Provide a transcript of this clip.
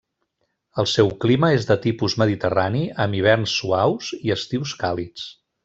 El seu clima és de tipus mediterrani amb hiverns suaus i estius càlids.